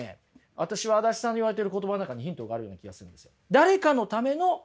私は足立さんの言われてる言葉の中にヒントがあるような気がするんですよ。